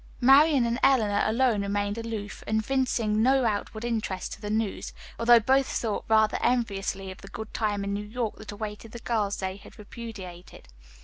Marian and Eleanor alone remained aloof, evincing no outward interest in the news, although both thought rather enviously of the good time in New York that awaited the girls they had repudiated.